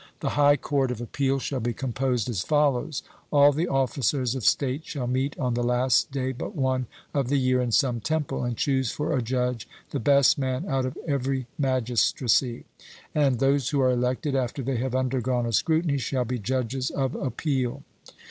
The high court of appeal shall be composed as follows: All the officers of state shall meet on the last day but one of the year in some temple, and choose for a judge the best man out of every magistracy: and those who are elected, after they have undergone a scrutiny, shall be judges of appeal.